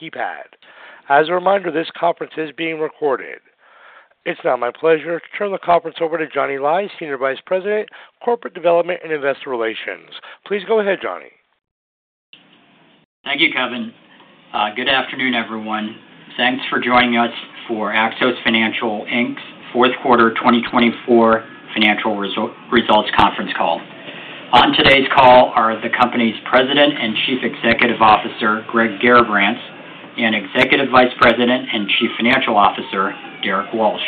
phone keypad. As a reminder, this conference is being recorded. It's now my pleasure to turn the conference over to Johnny Lai, Senior Vice President, Corporate Development and Investor Relations. Please go ahead, Johnny. Thank you, Kevin. Good afternoon, everyone. Thanks for joining us for Axos Financial, Inc.'s fourth quarter, 2024 financial results conference call. On today's call are the company's President and Chief Executive Officer, Greg Garrabrants, and Executive Vice President and Chief Financial Officer, Derrick Walsh.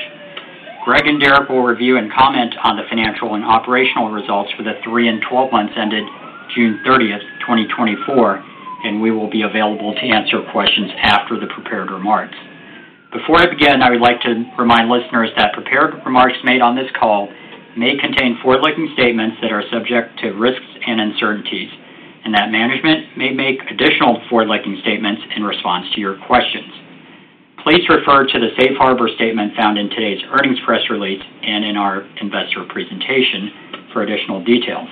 Greg and Derrick will review and comment on the financial and operational results for the 3 and 12 months ended June 30, 2024, and we will be available to answer questions after the prepared remarks. Before I begin, I would like to remind listeners that prepared remarks made on this call may contain forward-looking statements that are subject to risks and uncertainties, and that management may make additional forward-looking statements in response to your questions. Please refer to the safe harbor statement found in today's earnings press release and in our investor presentation for additional details.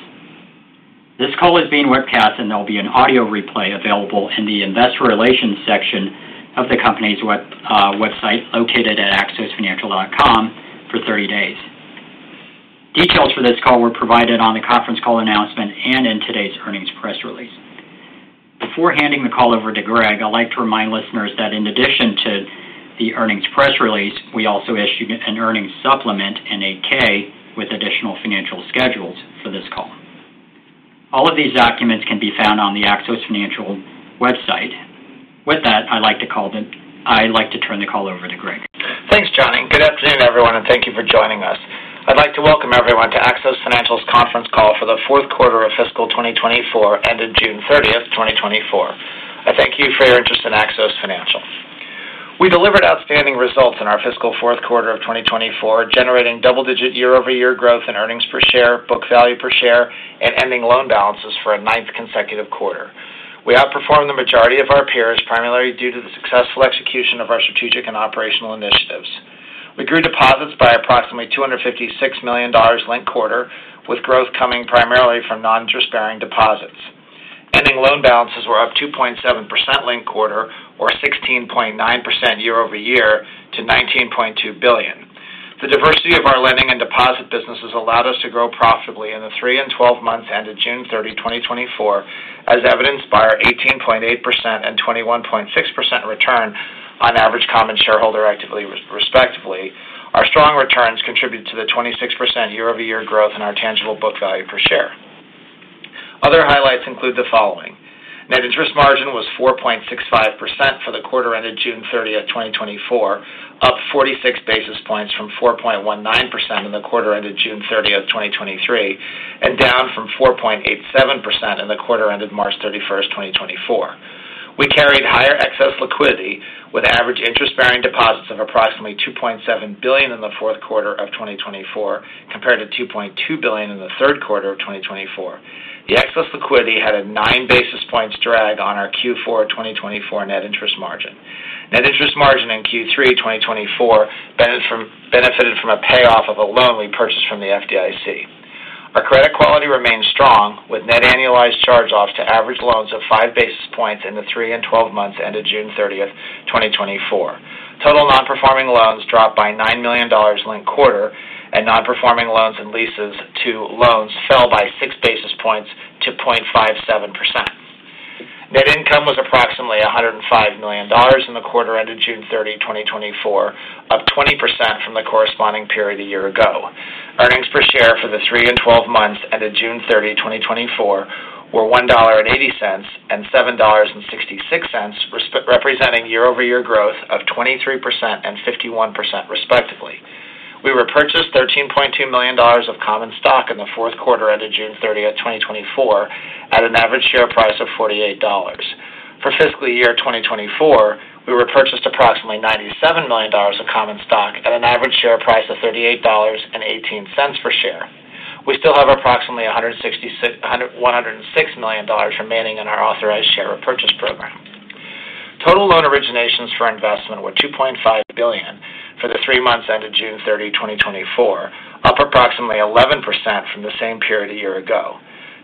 This call is being webcast, and there'll be an audio replay available in the investor relations section of the company's website, located at axosfinancial.com for thirty days. Details for this call were provided on the conference call announcement and in today's earnings press release. Before handing the call over to Greg, I'd like to remind listeners that in addition to the earnings press release, we also issued an earnings supplement and a K with additional financial schedules for this call. All of these documents can be found on the Axos Financial website. With that, I'd like to turn the call over to Greg. Thanks, Johnny. Good afternoon, everyone, and thank you for joining us. I'd like to welcome everyone to Axos Financial's conference call for the fourth quarter of fiscal 2024, ended June 30, 2024. I thank you for your interest in Axos Financial. We delivered outstanding results in our fiscal fourth quarter of 2024, generating double-digit year-over-year growth in earnings per share, book value per share, and ending loan balances for a ninth consecutive quarter. We outperformed the majority of our peers, primarily due to the successful execution of our strategic and operational initiatives. We grew deposits by approximately $256 million linked quarter, with growth coming primarily from non-interest-bearing deposits. Ending loan balances were up 2.7% linked quarter, or 16.9% year-over-year to $19.2 billion. The diversity of our lending and deposit businesses allowed us to grow profitably in the 3 and 12 months ended June 30, 2024, as evidenced by our 18.8% and 21.6% return on average common shareholder equity, respectively. Our strong returns contributed to the 26% year-over-year growth in our tangible book value per share. Other highlights include the following: Net interest margin was 4.65% for the quarter ended June 30, 2024, up 46 basis points from 4.19% in the quarter ended June 30, 2023, and down from 4.87% in the quarter ended March 31, 2024. We carried higher excess liquidity, with average interest-bearing deposits of approximately $2.7 billion in the fourth quarter of 2024, compared to $2.2 billion in the third quarter of 2024. The excess liquidity had a 9 basis points drag on our Q4 2024 net interest margin. Net interest margin in Q3 2024 benefited from a payoff of a loan we purchased from the FDIC. Our credit quality remains strong, with net annualized charge-offs to average loans of 5 basis points in the three and 12 months ended June 30, 2024. Total non-performing loans dropped by $9 million linked-quarter, and non-performing loans and leases to loans fell by 6 basis points to 0.57%. Net income was approximately $105 million in the quarter ended June 30, 2024, up 20% from the corresponding period a year ago. Earnings per share for the three and 12 months ended June 30, 2024, were $1.80 and $7.66, representing year-over-year growth of 23% and 51% respectively. We repurchased $13.2 million of common stock in the fourth quarter ended June 30, 2024, at an average share price of $48. For fiscal year 2024, we repurchased approximately $97 million of common stock at an average share price of $38.18 per share. We still have approximately $106 million remaining in our authorized share repurchase program. Total loan originations for investment were $2.5 billion for the three months ended June 30, 2024, up approximately 11% from the same period a year ago.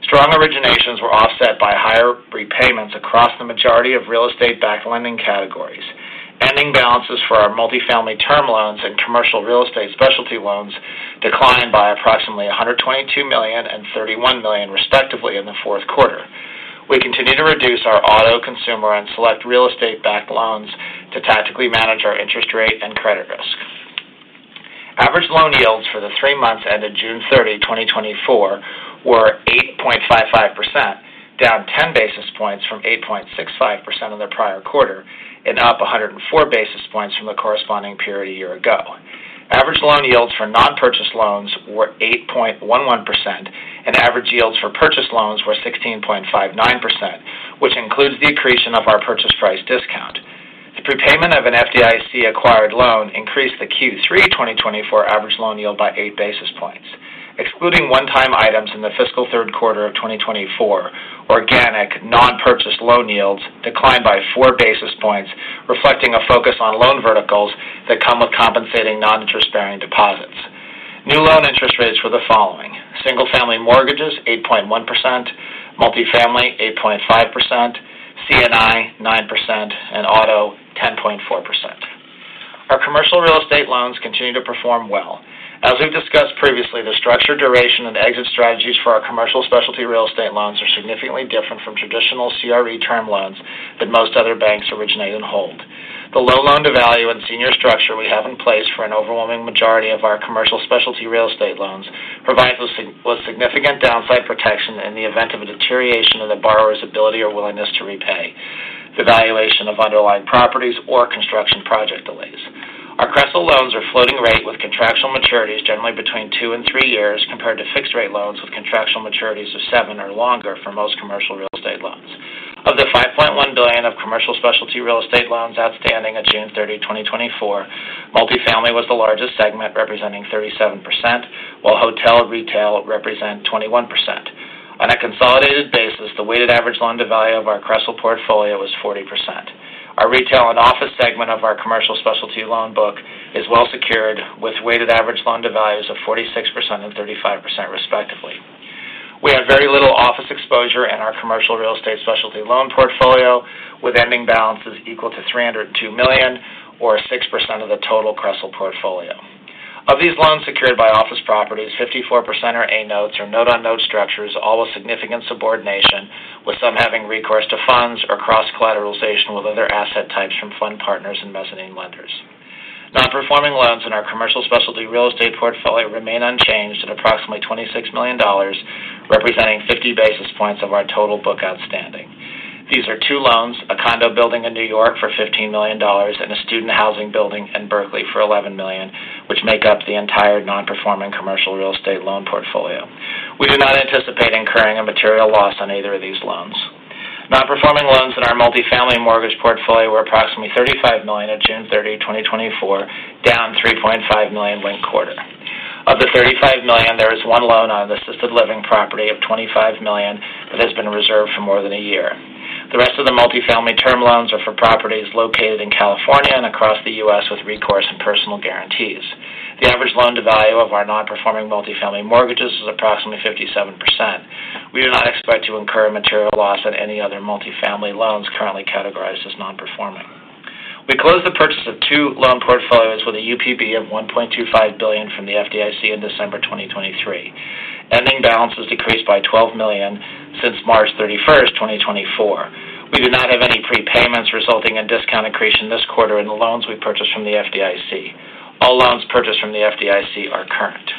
Strong originations were offset by higher repayments across the majority of real estate-backed lending categories. Ending balances for our multifamily term loans and commercial real estate specialty loans declined by approximately $122 million and $31 million, respectively, in the fourth quarter. We continue to reduce our auto, consumer, and select real estate-backed loans to tactically manage our interest rate and credit risk. Average loan yields for the three months ended June 30, 2024, were 8.55%, down 10 basis points from 8.65% in the prior quarter and up 104 basis points from the corresponding period a year ago. Average loan yields for non-purchase loans were 8.11%, and average yields for purchase loans were 16.59%, which includes the accretion of our purchase price discount. The prepayment of an FDIC-acquired loan increased the Q3 2024 average loan yield by 8 basis points. Excluding one-time items in the fiscal third quarter of 2024, organic non-purchase loan yields declined by 4 basis points, reflecting a focus on loan verticals that come with compensating non-interest-bearing deposits. New loan mortgages, 8.1%; multifamily, 8.5%; C&I, 9%; and auto, 10.4%. Our commercial real estate loans continue to perform well. As we've discussed previously, the structure, duration, and exit strategies for our commercial specialty real estate loans are significantly different from traditional CRE term loans that most other banks originate and hold. The low loan-to-value and senior structure we have in place for an overwhelming majority of our commercial specialty real estate loans provide with significant downside protection in the event of a deterioration in the borrower's ability or willingness to repay, the valuation of underlying properties, or construction project delays. Our CRESL loans are floating rate with contractual maturities generally between 2-3 years, compared to fixed-rate loans with contractual maturities of 7 or longer for most commercial real estate loans. Of the $5.1 billion of commercial specialty real estate loans outstanding at June 30, 2024, multifamily was the largest segment, representing 37%, while hotel and retail represent 21%. On a consolidated basis, the weighted average loan-to-value of our CRESL portfolio was 40%. Our retail and office segment of our commercial specialty loan book is well-secured, with weighted average loan-to-values of 46% and 35%, respectively. We have very little office exposure in our commercial real estate specialty loan portfolio, with ending balances equal to $302 million or 6% of the total CRESL portfolio. Of these loans secured by office properties, 54% are A notes or note-on-note structures, all with significant subordination, with some having recourse to funds or cross-collateralization with other asset types from fund partners and mezzanine lenders. Non-performing loans in our commercial specialty real estate portfolio remain unchanged at approximately $26 million, representing 50 basis points of our total book outstanding. These are two loans, a condo building in New York for $15 million and a student housing building in Berkeley for $11 million, which make up the entire non-performing commercial real estate loan portfolio. We do not anticipate incurring a material loss on either of these loans. Non-performing loans in our multifamily mortgage portfolio were approximately $35 million on June 30, 2024, down $3.5 million linked quarter. Of the $35 million, there is one loan on the assisted living property of $25 million that has been reserved for more than a year. The rest of the multifamily term loans are for properties located in California and across the U.S. with recourse and personal guarantees. The average loan-to-value of our non-performing multifamily mortgages is approximately 57%. We do not expect to incur a material loss on any other multifamily loans currently categorized as non-performing. We closed the purchase of two loan portfolios with a UPB of $1.25 billion from the FDIC in December 2023. Ending balances decreased by $12 million since March 31, 2024. We do not have any prepayments resulting in discount accretion this quarter in the loans we purchased from the FDIC. All loans purchased from the FDIC are current.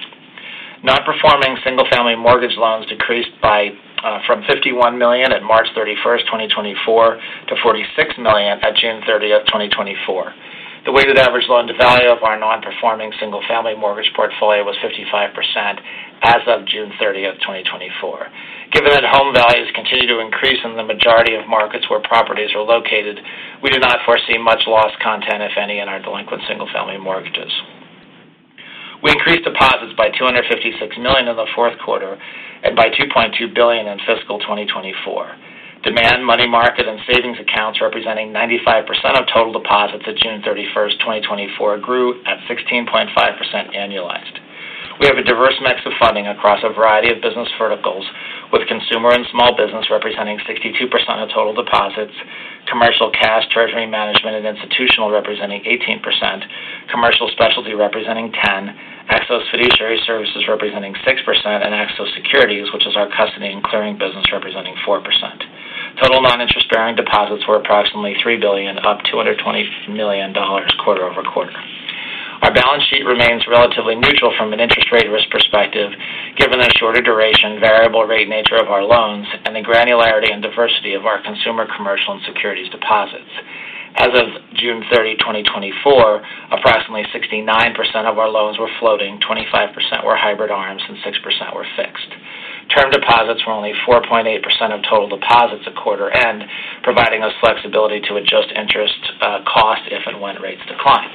Non-performing single-family mortgage loans decreased by from $51 million at March 31, 2024, to $46 million at June 30, 2024. The weighted average loan-to-value of our non-performing single-family mortgage portfolio was 55% as of June 30, 2024. Given that home values continue to increase in the majority of markets where properties are located, we do not foresee much loss content, if any, in our delinquent single-family mortgages. We increased deposits by $256 million in the fourth quarter and by $2.2 billion in fiscal 2024. Demand in money market and savings accounts, representing 95% of total deposits at June 31, 2024, grew at 16.5% annualized. We have a diverse mix of funding across a variety of business verticals, with consumer and small business representing 62% of total deposits, commercial cash, treasury management, and institutional representing 18%, commercial specialty representing 10%, Axos Fiduciary Services representing 6%, and Axos Securities, which is our custody and clearing business, representing 4%. Total non-interest-bearing deposits were approximately $3 billion, up $220 million quarter-over-quarter. Our balance sheet remains relatively neutral from an interest rate risk perspective, given the shorter duration variable rate nature of our loans and the granularity and diversity of our consumer, commercial, and securities deposits. As of June 30, 2024, approximately 69% of our loans were floating, 25% were hybrid ARMs, and 6% were fixed. Term deposits were only 4.8% of total deposits at quarter end, providing us flexibility to adjust interest costs if and when rates decline.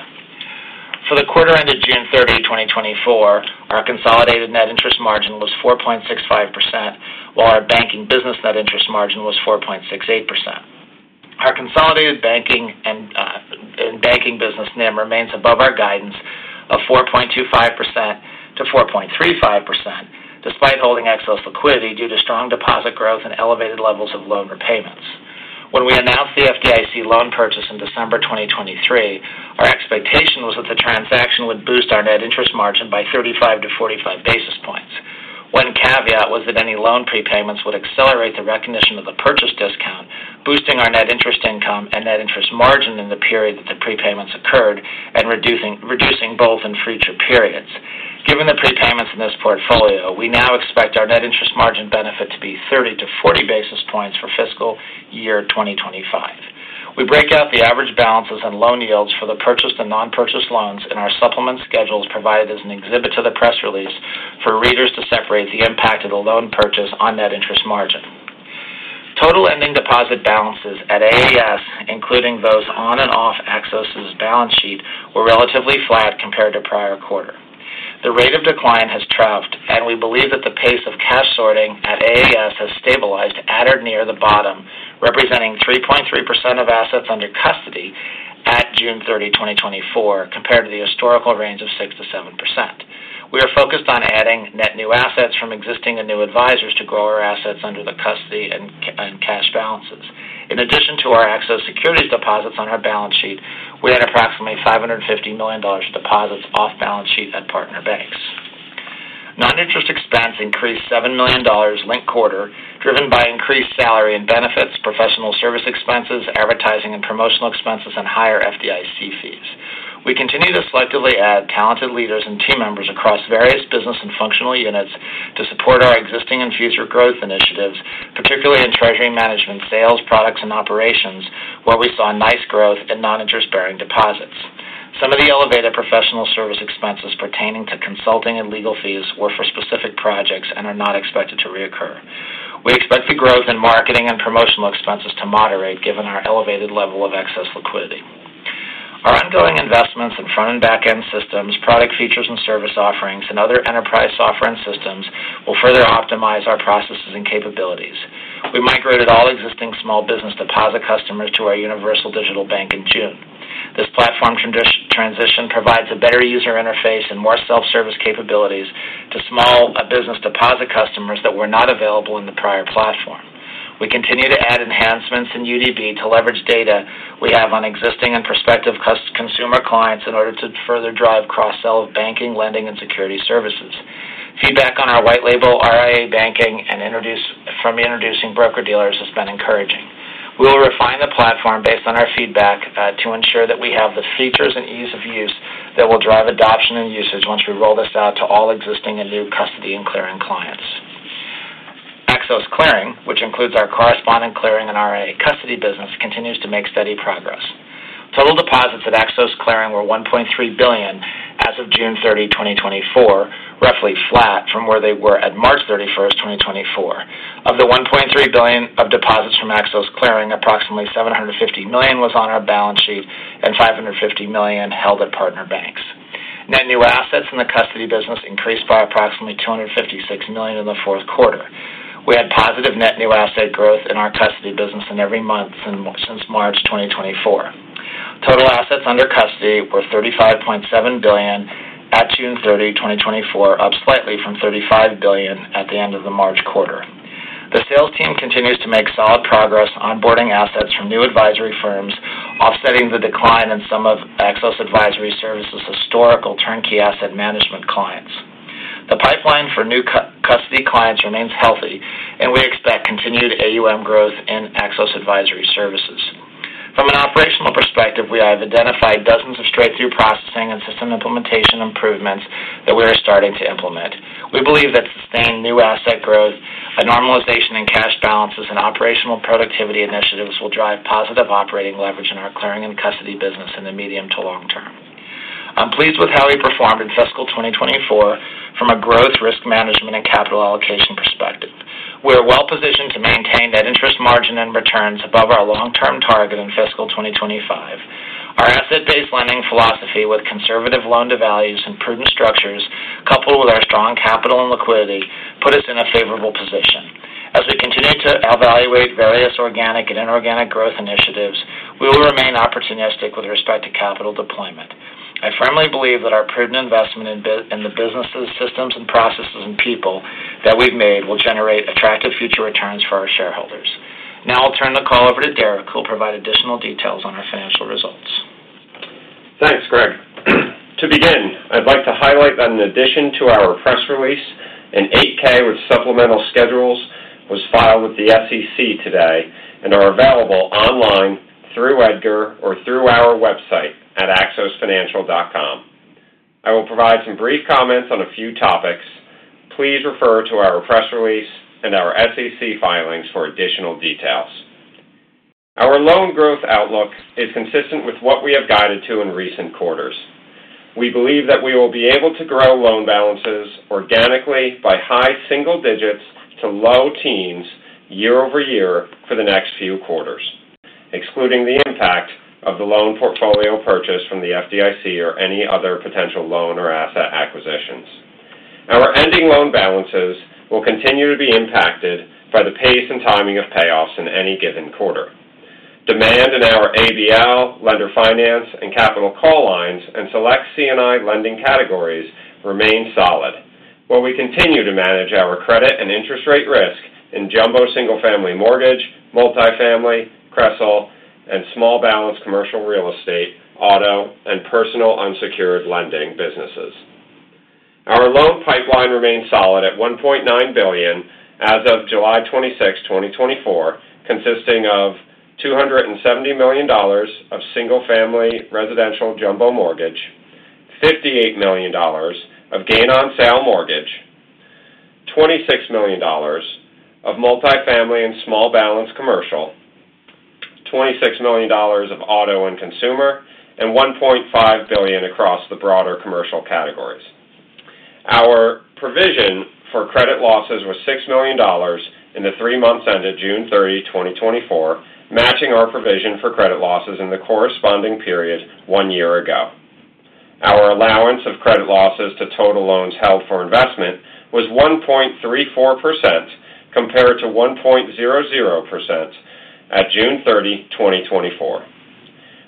For the quarter ended June 30, 2024, our consolidated net interest margin was 4.65%, while our banking business net interest margin was 4.68%. Our consolidated banking and banking business NIM remains above our guidance of 4.25%-4.35%, despite holding excess liquidity due to strong deposit growth and elevated levels of loan repayments. When we announced the FDIC loan purchase in December 2023, our expectation was that the transaction would boost our net interest margin by 35-45 basis points. One caveat was that any loan prepayments would accelerate the recognition of the purchase discount, boosting our net interest income and net interest margin in the period that the prepayments occurred, and reducing both in future periods. Given the prepayments in this portfolio, we now expect our net interest margin benefit to be 30-40 basis points for fiscal year 2025. We break out the average balances and loan yields for the purchased and non-purchased loans in our supplement schedules, provided as an exhibit to the press release for readers to separate the impact of the loan purchase on net interest margin. Total ending deposit balances at AAS, including those on and off Axos's balance sheet, were relatively flat compared to prior quarter. The rate of decline has troughed, and we believe that the pace of cash sorting at AAS has stabilized at or near the bottom compared to the historical range of 6%-7%. We are focused on adding net new assets from existing and new advisors to grow our assets under custody and cash balances. In addition to our Axos Securities deposits on our balance sheet, we had approximately $550 million of deposits off balance sheet at partner banks. Non-interest expense increased $7 million linked quarter, driven by increased salary and benefits, professional service expenses, advertising and promotional expenses, and higher FDIC fees. We continue to selectively add talented leaders and team members across various business and functional units to support our existing and future growth initiatives, particularly in treasury management, sales, products, and operations, where we saw nice growth in non-interest-bearing deposits. Some of the elevated professional service expenses pertaining to consulting and legal fees were for specific projects and are not expected to reoccur. We expect the growth in marketing and promotional expenses to moderate, given our elevated level of excess liquidity. Our ongoing investments in front and back-end systems, product features and service offerings, and other enterprise software and systems will further optimize our processes and capabilities. We migrated all existing small business deposit customers to our Universal Digital Bank in June. This platform transition provides a better user interface and more self-service capabilities to small business deposit customers that were not available in the prior platform. We continue to add enhancements in UDB to leverage data we have on existing and prospective consumer clients in order to further drive cross-sell of banking, lending, and security services. Feedback on our white label, RIA banking, and from introducing broker-dealers has been encouraging. We will refine the platform based on our feedback to ensure that we have the features and ease of use that will drive adoption and usage once we roll this out to all existing and new custody and clearing clients. Axos Clearing, which includes our correspondent clearing and RIA custody business, continues to make steady progress. Total deposits at Axos Clearing were $1.3 billion as of June 30, 2024, roughly flat from where they were at March 31, 2024. Of the $1.3 billion of deposits from Axos Clearing, approximately $750 million was on our balance sheet, and $550 million held at partner banks. Net new assets in the custody business increased by approximately $256 million in the fourth quarter. We had positive net new asset growth in our custody business in every month since March 2024. Total assets under custody were $35.7 billion at June 30, 2024, up slightly from $35 billion at the end of the March quarter. The sales team continues to make solid progress, onboarding assets from new advisory firms, offsetting the decline in some of Axos Advisor Services' historical turnkey asset management clients. The pipeline for new custody clients remains healthy, and we expect continued AUM growth in Axos Advisor Services. From an operational perspective, we have identified dozens of straight-through processing and system implementation improvements that we are starting to implement. We believe that sustaining new asset growth, a normalization in cash balances, and operational productivity initiatives will drive positive operating leverage in our clearing and custody business in the medium to long term. I'm pleased with how we performed in fiscal 2024 from a growth, risk management, and capital allocation perspective. We are well-positioned to maintain net interest margin and returns above our long-term target in fiscal 2025. Our asset-based lending philosophy, with conservative loan-to-values and prudent structures, coupled with our strong capital and liquidity, put us in a favorable position. As we continue to evaluate various organic and inorganic growth initiatives, we will remain opportunistic with respect to capital deployment. I firmly believe that our prudent investment in the businesses, systems, and processes, and people that we've made will generate attractive future returns for our shareholders. Now I'll turn the call over to Derek, who'll provide additional details on our financial results. Thanks, Greg. To begin, I'd like to highlight that in addition to our press release, an 8-K with supplemental schedules was filed with the SEC today and are available online through EDGAR or through our website at axosfinancial.com. I will provide some brief comments on a few topics. Please refer to our press release and our SEC filings for additional details. Our loan growth outlook is consistent with what we have guided to in recent quarters. We believe that we will be able to grow loan balances organically by high single digits to low teens year-over-year for the next few quarters, excluding the impact of the loan portfolio purchase from the FDIC or any other potential loan or asset acquisitions. Our ending loan balances will continue to be impacted by the pace and timing of payoffs in any given quarter. Demand in our ABL, lender finance, and capital call lines, and select C&I lending categories remain solid, while we continue to manage our credit and interest rate risk in jumbo single-family mortgage, multifamily, CRESL, and small balance commercial real estate, auto, and personal unsecured lending businesses. Our loan pipeline remains solid at $1.9 billion as of July 26, 2024, consisting of $270 million of single-family residential jumbo mortgage, $58 million of gain on sale mortgage, $26 million of multifamily and small balance commercial, $26 million of auto and consumer, and $1.5 billion across the broader commercial categories. Our provision for credit losses was $6 million in the three months ended June 30, 2024, matching our provision for credit losses in the corresponding period one year ago. Our allowance of credit losses to total loans held for investment was 1.34%, compared to 1.00%-... at June 30, 2024.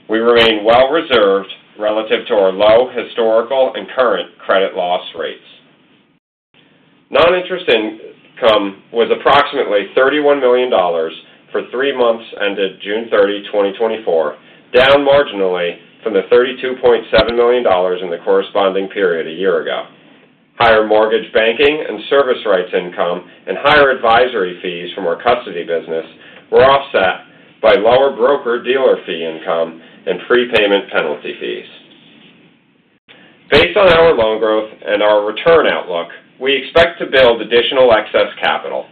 We remain well reserved relative to our low historical and current credit loss rates. Non-interest income was approximately $31 million for three months ended June 30, 2024, down marginally from the $32.7 million in the corresponding period a year ago. Higher mortgage banking and service rights income and higher advisory fees from our custody business were offset by lower broker dealer fee income and prepayment penalty fees. Based on our loan growth and our return outlook, we expect to build additional excess capital.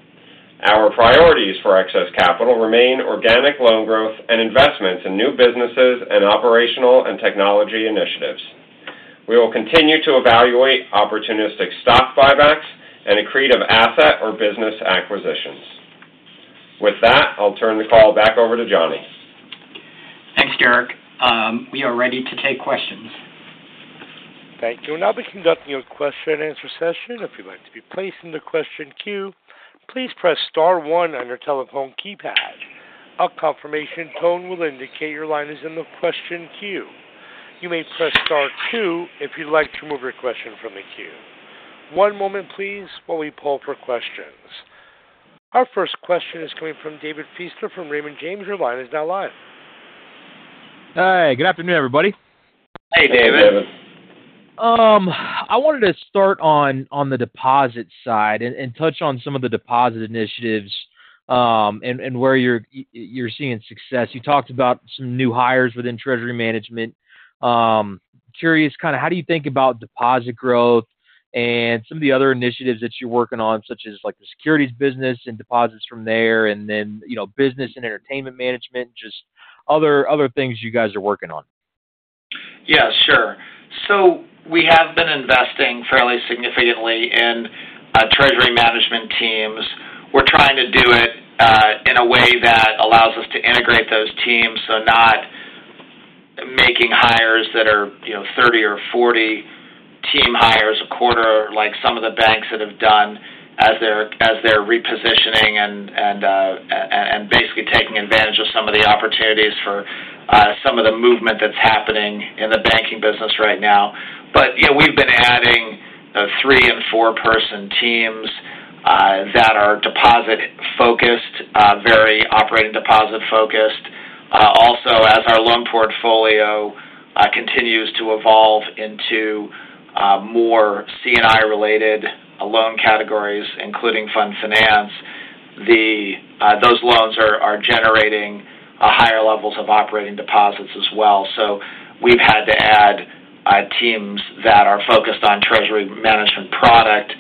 Our priorities for excess capital remain organic loan growth and investments in new businesses and operational and technology initiatives. We will continue to evaluate opportunistic stock buybacks and accretive asset or business acquisitions. With that, I'll turn the call back over to Johnny. Thanks, Derek. We are ready to take questions. Thank you. We'll now be conducting a question and answer session. If you'd like to be placed in the question queue, please press star one on your telephone keypad. A confirmation tone will indicate your line is in the question queue. You may press star two if you'd like to remove your question from the queue. One moment please, while we pull for questions. Our first question is coming from David Feaster from Raymond James. Your line is now live. Hi, good afternoon, everybody. Hey, David. Hey, David. I wanted to start on the deposit side and touch on some of the deposit initiatives, and where you're seeing success. You talked about some new hires within treasury management. Curious kind of how do you think about deposit growth and some of the other initiatives that you're working on, such as like the securities business and deposits from there, and then, you know, business and entertainment management, just other things you guys are working on? Yeah, sure. So we have been investing fairly significantly in treasury management teams. We're trying to do it in a way that allows us to integrate those teams, so not making hires that are, you know, 30 or 40 team hires a quarter, like some of the banks that have done as they're repositioning and basically taking advantage of some of the opportunities for some of the movement that's happening in the banking business right now. But, yeah, we've been adding 3- and 4-person teams that are deposit focused, very operating deposit focused. Also, as our loan portfolio continues to evolve into more C&I-related loan categories, including fund finance, those loans are generating higher levels of operating deposits as well. So we've had to add teams that are focused on treasury management product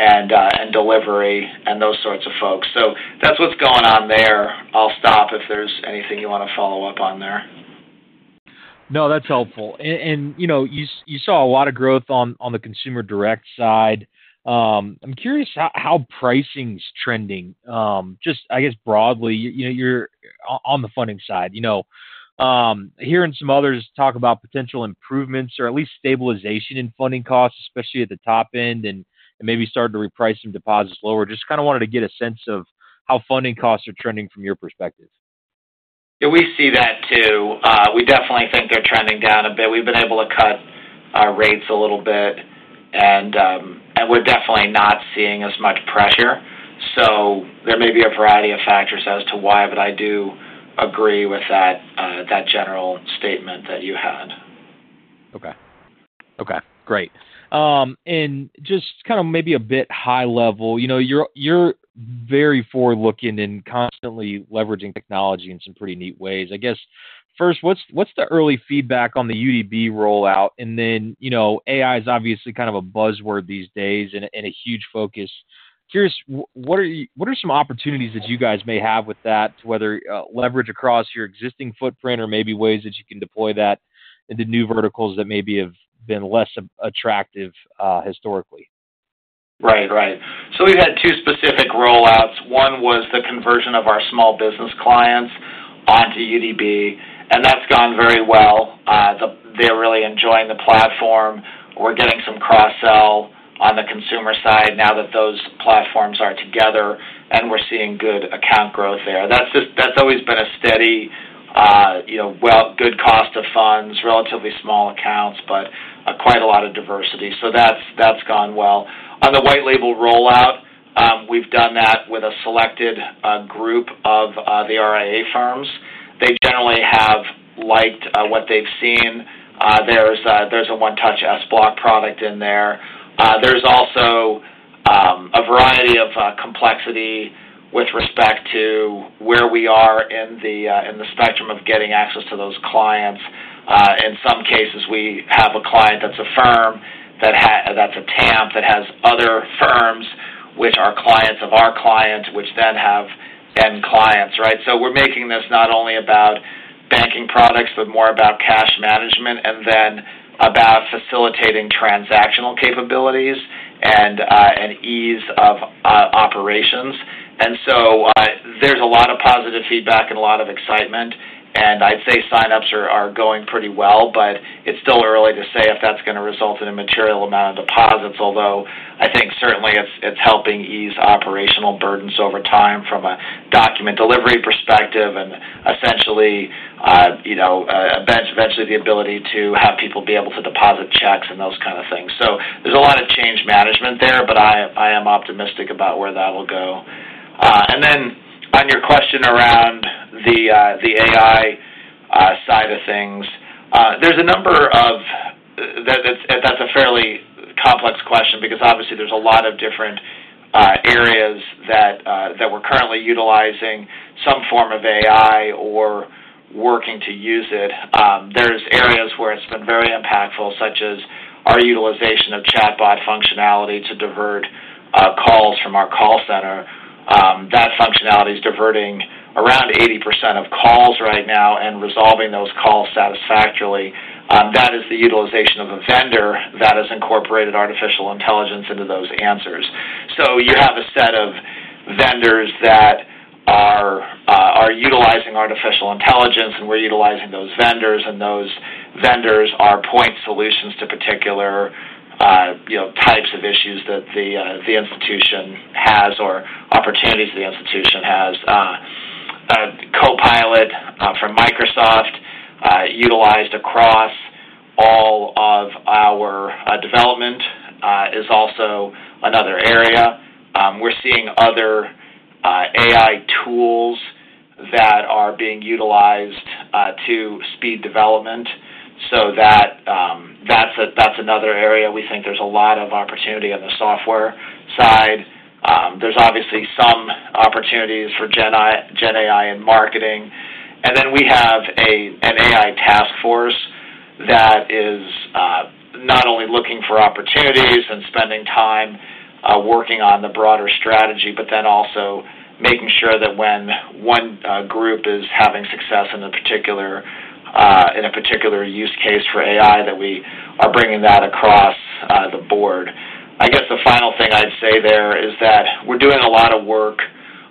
and delivery and those sorts of folks. So that's what's going on there. I'll stop if there's anything you want to follow up on there. No, that's helpful. And, you know, you saw a lot of growth on the consumer direct side. I'm curious how pricing's trending, just, I guess, broadly, you know, you're on the funding side. You know, hearing some others talk about potential improvements or at least stabilization in funding costs, especially at the top end, and maybe starting to reprice some deposits lower. Just kind of wanted to get a sense of how funding costs are trending from your perspective. Yeah, we see that too. We definitely think they're trending down a bit. We've been able to cut our rates a little bit, and, and we're definitely not seeing as much pressure. So there may be a variety of factors as to why, but I do agree with that, that general statement that you had. Okay. Okay, great. And just kind of maybe a bit high level, you know, you're very forward-looking and constantly leveraging technology in some pretty neat ways. I guess, first, what's the early feedback on the UDB rollout? And then, you know, AI is obviously kind of a buzzword these days and a huge focus. Curious, what are some opportunities that you guys may have with that, whether leverage across your existing footprint or maybe ways that you can deploy that into new verticals that maybe have been less attractive historically? Right. Right. So we've had two specific rollouts. One was the conversion of our small business clients onto UDB, and that's gone very well. They're really enjoying the platform. We're getting some cross-sell on the consumer side now that those platforms are together, and we're seeing good account growth there. That's just—that's always been a steady, you know, well, good cost of funds, relatively small accounts, but quite a lot of diversity. So that's, that's gone well. On the white label rollout, we've done that with a selected group of the RIA firms. They generally have liked what they've seen. There's a one-touch SBLOC product in there. There's also a variety of complexity with respect to where we are in the spectrum of getting access to those clients. In some cases, we have a client that's a firm, that's a TAMP, that has other firms which are clients of our clients, which then have end clients, right? So we're making this not only about banking products, but more about cash management, and then about facilitating transactional capabilities and ease of operations. And so, there's a lot of positive feedback and a lot of excitement... and I'd say sign-ups are going pretty well, but it's still early to say if that's gonna result in a material amount of deposits. Although, I think certainly it's helping ease operational burdens over time from a document delivery perspective, and essentially, you know, eventually the ability to have people be able to deposit checks and those kind of things. So there's a lot of change management there, but I am optimistic about where that will go. And then on your question around the AI side of things, there's a number of-- that's a fairly complex question because obviously there's a lot of different areas that we're currently utilizing some form of AI or working to use it. There's areas where it's been very impactful, such as our utilization of chatbot functionality to divert calls from our call center. That functionality is diverting around 80% of calls right now and resolving those calls satisfactorily. That is the utilization of a vendor that has incorporated artificial intelligence into those answers. So you have a set of vendors that are utilizing artificial intelligence, and we're utilizing those vendors, and those vendors are point solutions to particular, you know, types of issues that the institution has or opportunities the institution has. Copilot from Microsoft utilized across all of our development is also another area. We're seeing other AI tools that are being utilized to speed development. So that's another area we think there's a lot of opportunity on the software side. There's obviously some opportunities for GenAI in marketing. And then we have an AI task force that is not only looking for opportunities and spending time working on the broader strategy, but then also making sure that when one group is having success in a particular use case for AI, that we are bringing that across the board. I guess the final thing I'd say there is that we're doing a lot of work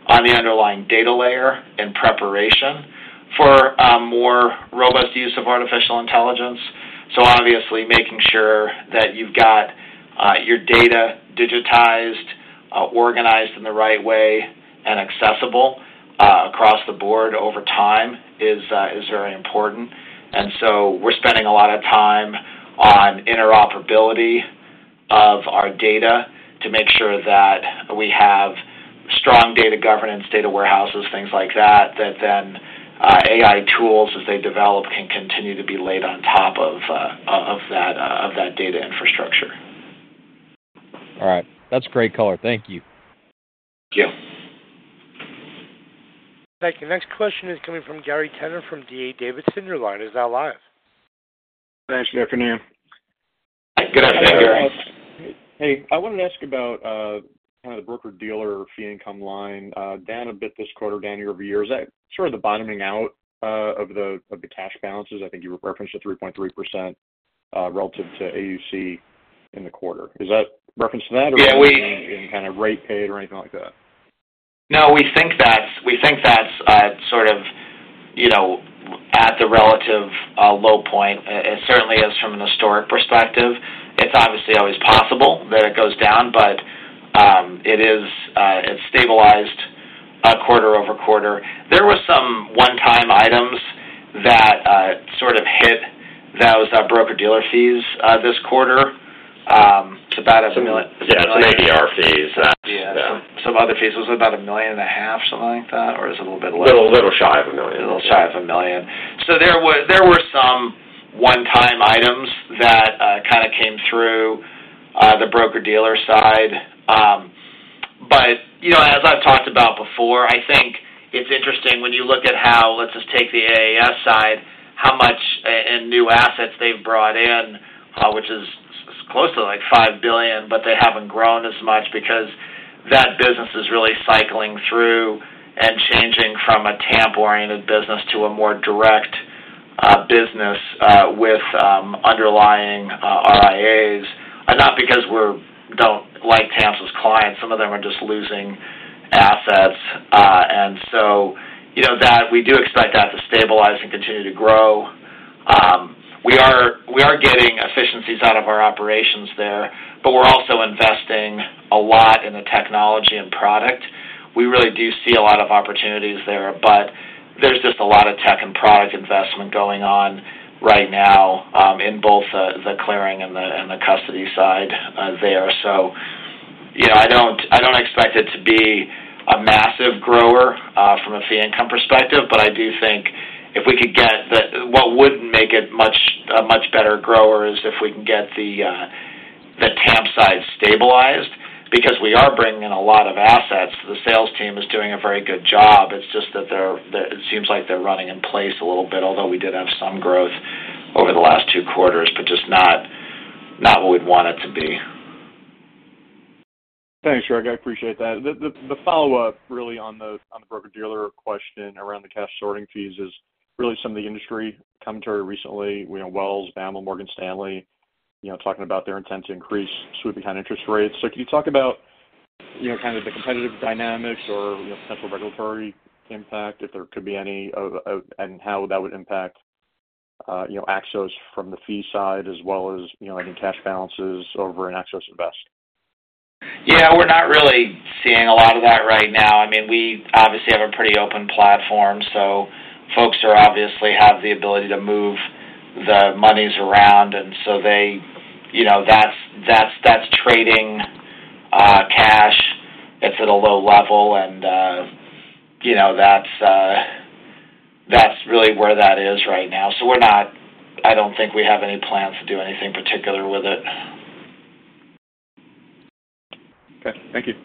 on the underlying data layer in preparation for more robust use of artificial intelligence. So obviously, making sure that you've got your data digitized, organized in the right way, and accessible across the board over time is very important. And so we're spending a lot of time on interoperability of our data to make sure that we have strong data governance, data warehouses, things like that, that then, AI tools, as they develop, can continue to be laid on top of, of that, of that data infrastructure. All right. That's great color. Thank you. Thank you. Thank you. Next question is coming from Gary Tenner from D.A. Davidson. Your line is now live. Thanks. Good afternoon. Good afternoon, Gary. Hey, I wanted to ask about, kind of the broker-dealer fee income line, down a bit this quarter, down year-over-year. Is that sort of the bottoming out, of the, of the cash balances? I think you referenced the 3.3%, relative to AUC in the quarter. Is that reference to that- Yeah, we- Or any kind of rate paid or anything like that? No, we think that's, we think that's, sort of, you know, at the relative, low point. It certainly is from an historic perspective. It's obviously always possible that it goes down, but, it is, it's stabilized, quarter-over-quarter. There were some one-time items that, sort of hit those, broker-dealer fees, this quarter. It's about $1 million- Yeah, it's ADR fees. Yeah. Some other fees. Was it about $1.5 million, something like that, or is it a little bit less? A little, little shy of $1 million. A little shy of $1 million. So there were some one-time items that kind of came through the broker-dealer side. But, you know, as I've talked about before, I think it's interesting when you look at how. Let's just take the AAS side, how much and new assets they've brought in, which is close to $5 billion, but they haven't grown as much because that business is really cycling through and changing from a TAMP-oriented business to a more direct business with underlying RIAs. And not because we don't like TAMPs's clients, some of them are just losing assets. And so, you know, that we do expect that to stabilize and continue to grow. We are getting efficiencies out of our operations there, but we're also investing a lot in the technology and product. We really do see a lot of opportunities there, but there's just a lot of tech and product investment going on right now, in both the clearing and the custody side, there. So, you know, I don't expect it to be a massive grower, from a fee income perspective, but I do think if we could get the... What would make it much, a much better grower, is if we can get the the TAMP side stabilized, because we are bringing in a lot of assets. The sales team is doing a very good job. It's just that they're, that it seems like they're running in place a little bit, although we did have some growth over the last two quarters, but just not what we'd want it to be. Thanks, Rick. I appreciate that. The follow-up really on the broker-dealer question around the cash sorting fees is really some of the industry commentary recently. We know Wells, BAML, Morgan Stanley, you know, talking about their intent to increase sweep account interest rates. So can you talk about-... you know, kind of the competitive dynamics or, you know, potential regulatory impact, if there could be any, of and how that would impact, you know, Axos from the fee side, as well as, you know, any cash balances over in Axos Invest? Yeah, we're not really seeing a lot of that right now. I mean, we obviously have a pretty open platform, so folks obviously have the ability to move the monies around, and so they, you know, that's trading cash. It's at a low level, and, you know, that's really where that is right now. So we're not. I don't think we have any plans to do anything particular with it. Okay, thank you.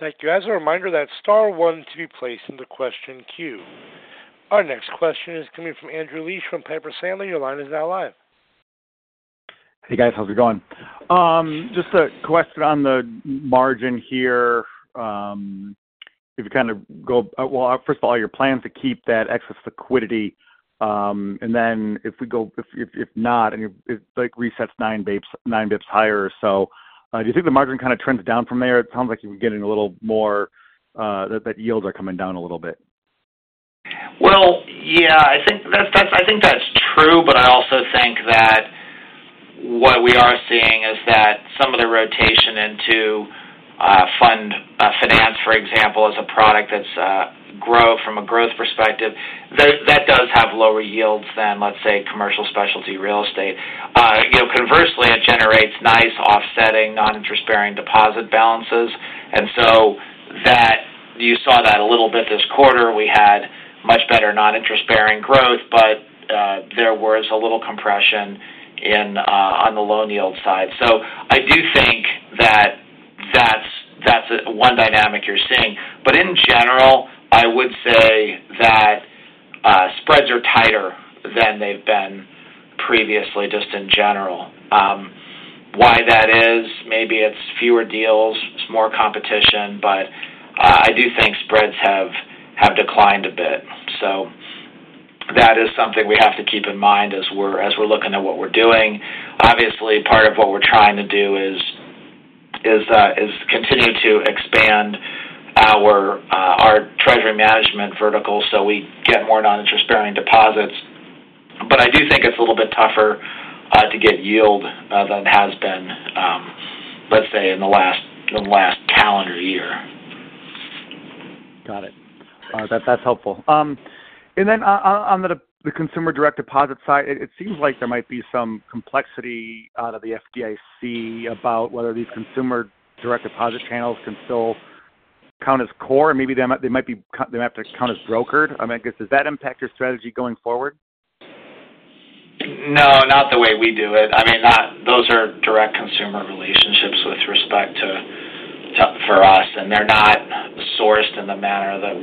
Thank you. As a reminder, that's star one to be placed in the question queue. Our next question is coming from Andrew Liesch from Piper Sandler. Your line is now live. Hey, guys. How's it going? Just a question on the margin here. If you kind of go... Well, first of all, your plan to keep that excess liquidity, and then if we go, if not, and if like resets 9 basis points, 9 basis points higher or so, do you think the margin kind of trends down from there? It sounds like you've been getting a little more, that yields are coming down a little bit. Well, yeah, I think that's true, but I also think that what we are seeing is that some of the rotation into fund finance, for example, as a product that's grow from a growth perspective, that does have lower yields than, let's say, commercial specialty real estate. You know, conversely, it generates nice offsetting, non-interest-bearing deposit balances. And so that, you saw that a little bit this quarter. We had much better non-interest-bearing growth, but there was a little compression in on the loan yield side. So I do think that that's one dynamic you're seeing. But in general, I would say that spreads are tighter than they've been previously, just in general. Why that is? Maybe it's fewer deals, it's more competition, but I do think spreads have declined a bit. So that is something we have to keep in mind as we're looking at what we're doing. Obviously, part of what we're trying to do is continue to expand our treasury management vertical, so we get more non-interest-bearing deposits. But I do think it's a little bit tougher to get yield than it has been, let's say, in the last calendar year. Got it. That, that's helpful. And then on the consumer direct deposit side, it seems like there might be some complexity out of the FDIC about whether these consumer direct deposit channels can still count as core. Maybe they might have to count as brokered. I mean, does that impact your strategy going forward? No, not the way we do it. I mean, not... Those are direct consumer relationships with respect to, for us, and they're not sourced in the manner that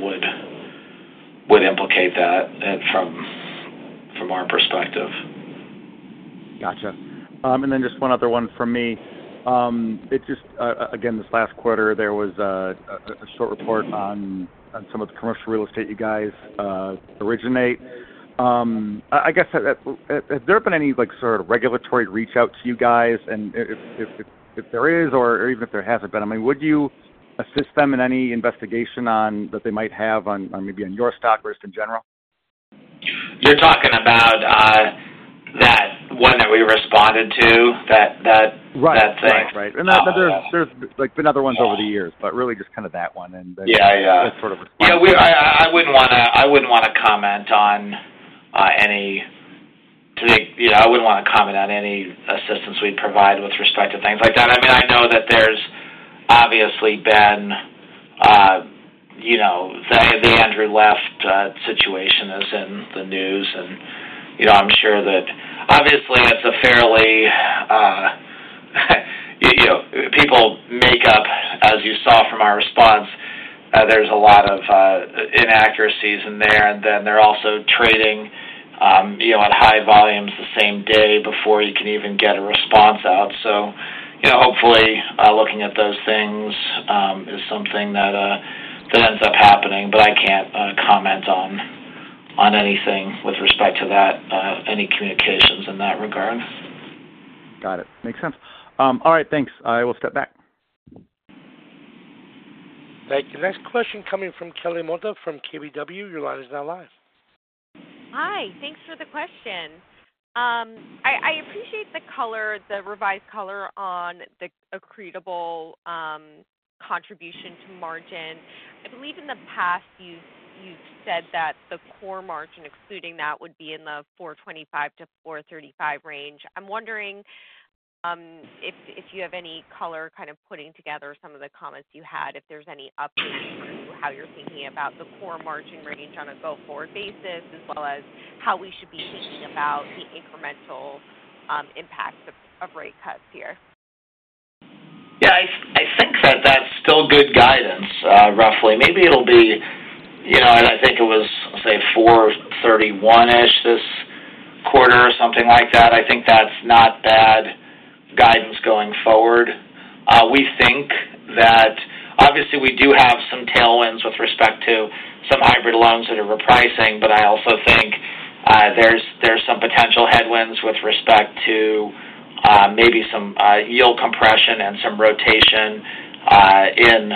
would implicate that, from our perspective. Gotcha. And then just one other one from me. It just, again, this last quarter, there was a short report on some of the commercial real estate you guys originate. I guess, has there been any, like, sort of regulatory reach out to you guys? And if there is, or even if there hasn't been, I mean, would you assist them in any investigation on that they might have on maybe on your stock or just in general? You're talking about that one that we responded to, that. Right. That thing? Right, right. And there's, like, been other ones over the years, but really just kind of that one, and then- Yeah, yeah. Just sort of- Yeah, I wouldn't wanna comment on any assistance we'd provide with respect to things like that. I mean, I know that there's obviously been, you know, the Andrew Left situation is in the news, and, you know, I'm sure that obviously, it's a fairly, you know, people make up, as you saw from our response, there's a lot of inaccuracies in there. And then, they're also trading, you know, at high volumes the same day before you can even get a response out. So, you know, hopefully looking at those things is something that that ends up happening, but I can't comment on anything with respect to that, any communications in that regard. Got it. Makes sense. All right, thanks. I will step back. Thank you. Next question coming from Kelly Motta, from KBW. Your line is now live. Hi, thanks for the question. I appreciate the color, the revised color on the accretable contribution to margin. I believe in the past, you've said that the core margin excluding that would be in the 4.25-4.35 range. I'm wondering, if you have any color kind of putting together some of the comments you had, if there's any update to how you're thinking about the core margin range on a go-forward basis, as well as how we should be thinking about the incremental impact of rate cuts here? Yeah, I think that's still good guidance, roughly. Maybe it'll be, you know, I think it was, say, $4.31-ish this quarter or something like that. I think that's not bad guidance going forward. We think that obviously we do have some hybrid loans that are repricing, but I also think there's some potential headwinds with respect to maybe some yield compression and some rotation in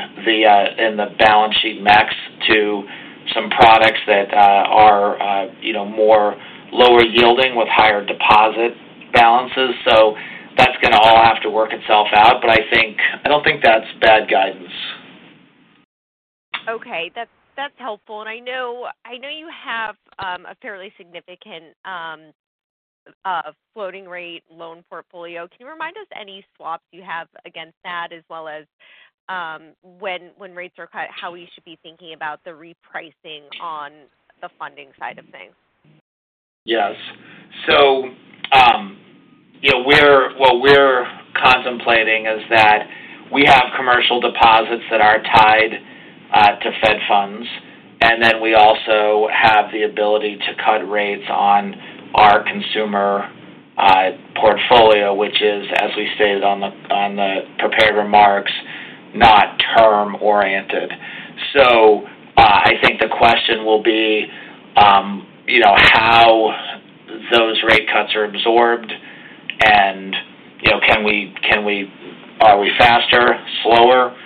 the balance sheet mix to some products that are, you know, more lower yielding with higher deposit balances. So that's gonna all have to work itself out, but I think I don't think that's bad guidance. Okay, that's, that's helpful. And I know, I know you have a fairly significant floating rate loan portfolio. Can you remind us any swaps you have against that, as well as, when rates are cut, how we should be thinking about the repricing on the funding side of things? Yes. So, you know, what we're contemplating is that we have commercial deposits that are tied to Fed funds, and then we also have the ability to cut rates on our consumer portfolio, which is, as we stated on the prepared remarks, not term oriented. So, I think the question will be, you know, how those rate cuts are absorbed and, you know, are we faster, slower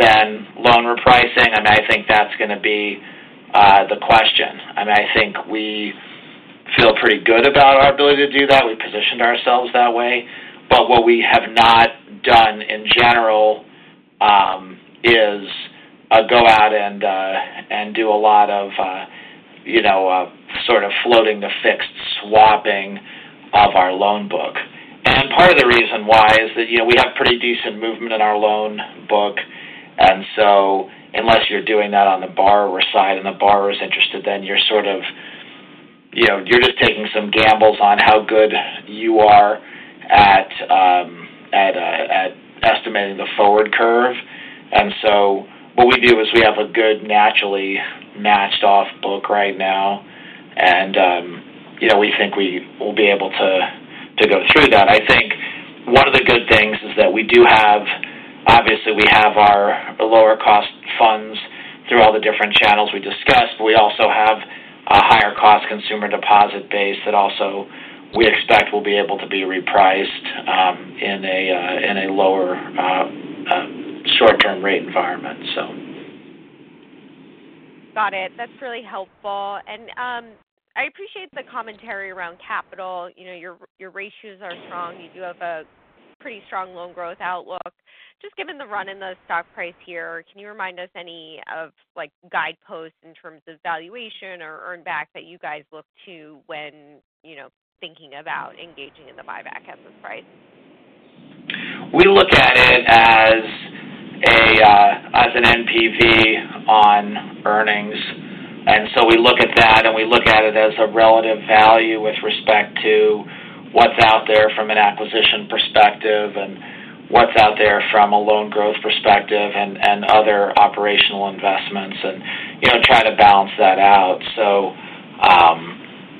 than loan repricing? I mean, I think that's gonna be the question. And I think we feel pretty good about our ability to do that. We've positioned ourselves that way. But what we have not done in general is go out and do a lot of, you know, sort of floating to fixed swapping of our loan book. Part of the reason why is that, you know, we have pretty decent movement in our loan book, and so unless you're doing that on the borrower side, and the borrower is interested, then you're sort of, you know, you're just taking some gambles on how good you are at estimating the forward curve. So what we do is we have a good naturally matched off book right now, and, you know, we think we will be able to go through that. I think one of the good things is that we do have, obviously, we have our lower cost funds through all the different channels we discussed, but we also have a higher cost consumer deposit base that also we expect will be able to be repriced in a lower short-term rate environment, so. Got it. That's really helpful. And, I appreciate the commentary around capital. You know, your, your ratios are strong. You do have a pretty strong loan growth outlook. Just given the run in the stock price here, can you remind us any of, like, guideposts in terms of valuation or earn back that you guys look to when, you know, thinking about engaging in the buyback at this price? We look at it as an NPV on earnings. So we look at that, and we look at it as a relative value with respect to what's out there from an acquisition perspective, and what's out there from a loan growth perspective, and other operational investments, and, you know, try to balance that out. So,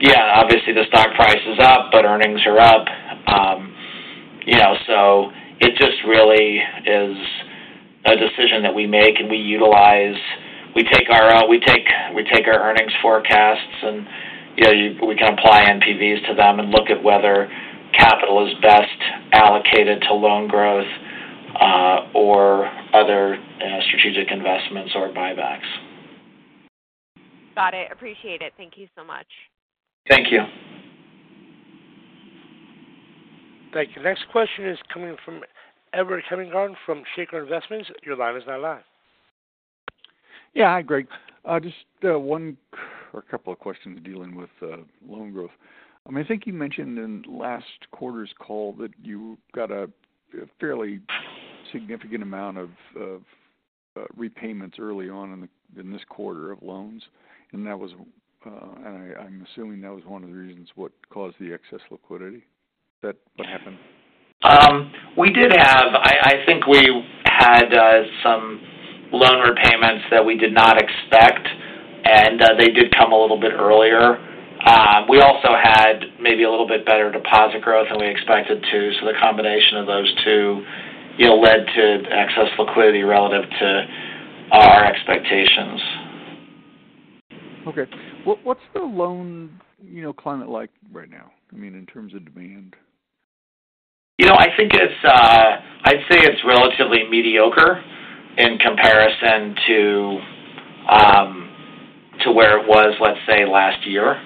yeah, obviously the stock price is up, but earnings are up. You know, so it just really is a decision that we make, and we utilize. We take our earnings forecasts, and, you know, we can apply NPVs to them and look at whether capital is best allocated to loan growth, or other strategic investments or buybacks. Got it. Appreciate it. Thank you so much. Thank you. Thank you. Next question is coming from Edward Hemmelgarn from Shaker Investments. Your line is now live. Yeah, hi, Greg. Just one or a couple of questions dealing with loan growth. I think you mentioned in last quarter's call that you got a fairly significant amount of repayments early on in this quarter of loans, and that was, and I'm assuming that was one of the reasons what caused the excess liquidity. Is that what happened? We did have—I think we had some loan repayments that we did not expect, and they did come a little bit earlier. We also had maybe a little bit better deposit growth than we expected to. So the combination of those two, you know, led to excess liquidity relative to our expectations. Okay. What's the loan, you know, climate like right now? I mean, in terms of demand. You know, I think it's, I'd say it's relatively mediocre in comparison to, to where it was, let's say, last year.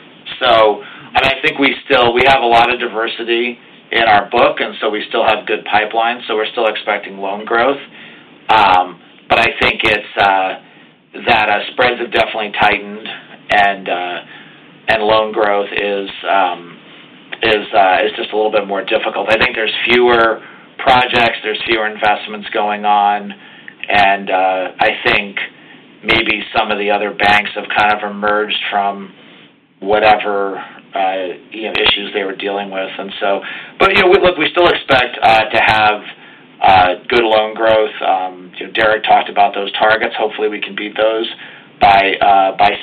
So and I think we still we have a lot of diversity in our book, and so we still have good pipelines, so we're still expecting loan growth. But I think it's, that, spreads have definitely tightened and, and loan growth is, is, is just a little bit more difficult. I think there's fewer projects, there's fewer investments going on, and, I think maybe some of the other banks have kind of emerged from whatever, you know, issues they were dealing with. And so, but, you know, look, we still expect, to have, good loan growth. You know, Derek talked about those targets. Hopefully, we can beat those by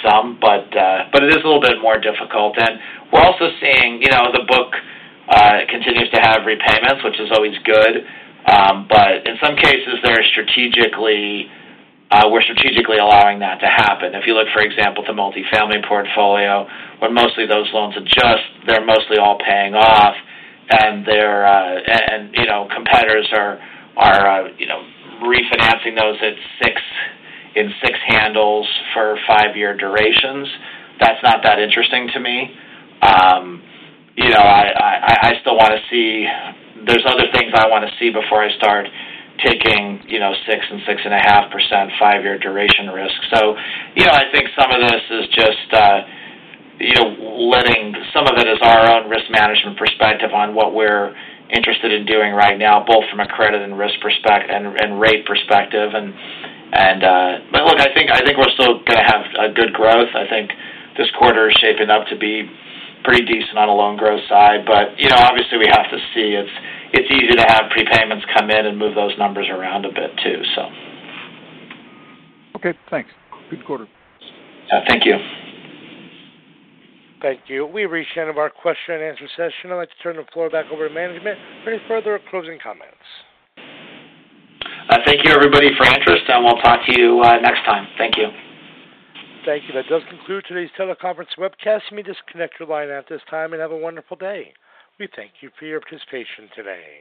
some, but it is a little bit more difficult. And we're also seeing, you know, the book continues to have repayments, which is always good, but in some cases, they're strategically, we're strategically allowing that to happen. If you look, for example, at the multifamily portfolio, where mostly those loans adjust, they're mostly all paying off, and they're, you know, competitors are refinancing those at 6, in 6 handles for 5-year durations. That's not that interesting to me. You know, I still wanna see. There's other things I wanna see before I start taking, you know, 6 and 6.5%, 5-year duration risk. So, you know, I think some of this is just, some of it is our own risk management perspective on what we're interested in doing right now, both from a credit and risk perspective and, but look, I think, I think we're still gonna have a good growth. I think this quarter is shaping up to be pretty decent on the loan growth side, but, you know, obviously, we have to see. It's, it's easy to have prepayments come in and move those numbers around a bit, too, so. Okay, thanks. Good quarter. Thank you. Thank you. We've reached the end of our question and answer session. I'd like to turn the floor back over to management for any further closing comments. Thank you, everybody, for interest, and we'll talk to you, next time. Thank you. Thank you. That does conclude today's teleconference webcast. You may disconnect your line at this time, and have a wonderful day. We thank you for your participation today.